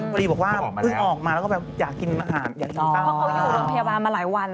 ก็ว่าเพราะโดยพยาบาลมาหลายวัน